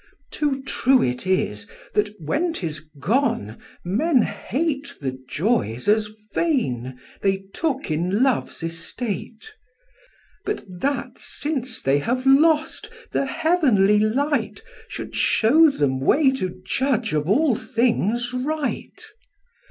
Too true it is, that, when 'tis gone, men hate The joys as vain they took in love's estate: But that's since they have lost the heavenly light Should show them way to judge of all things right.